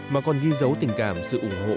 mà còn ghi dấu tình cảm sự ủng hộ